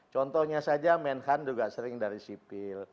contohnya saja menhan juga sering dari sipil